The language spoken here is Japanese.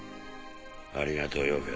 ありがとうよ